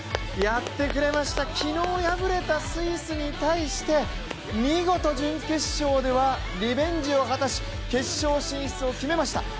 やってくれました、昨日敗れたスイスに対して見事、準決勝ではリベンジを果たし、決勝進出を決めました。